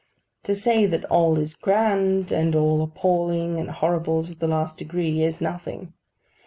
To say that all is grand, and all appalling and horrible in the last degree, is nothing.